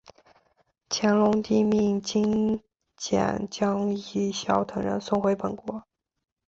乾隆帝命金简将益晓等人送回本国。